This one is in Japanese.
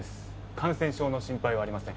感染症の心配はありません。